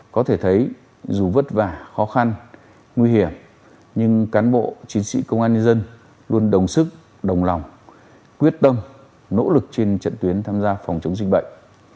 có thể thấy dù vất vả khó khăn nguy hiểm nhưng cán bộ chiến sĩ công an nhân dân luôn đồng sức đồng lòng quyết tâm nỗ lực trên trận tuyến tham gia phòng chống dịch bệnh